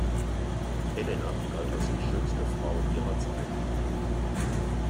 Helena galt als die schönste Frau ihrer Zeit.